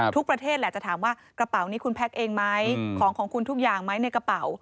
ประเทศแหละจะถามว่ากระเป๋านี้คุณแพ็คเองไหมของของคุณทุกอย่างไหมในกระเป๋า